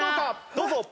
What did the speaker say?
どうぞ。